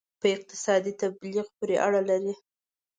په اقتصادي تبلیغ پورې اړه لري.